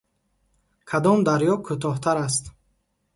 Кадом дарё кӯтоҳтар аст?